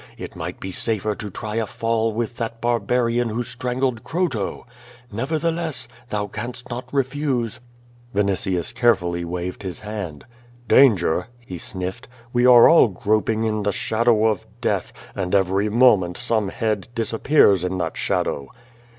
It nii*:lit be safer to try a fall with that barbarian who strangled Croto. Nevertheless, thou canst not refuse." "^1 «i 2^0 Q^O VADIS. Vinitius carelessly waved his hand. "Danger?" he sniffed. "We are all groping in the shadow of death, and every moment some head disappears in that shadow."